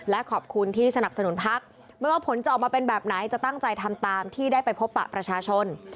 และขอบคุณที่สนับสนุนพักไม่ว่าผลจะออกมาเป็นแบบไหนจะตั้งใจทำตามที่ได้ไปพบปะประชาชน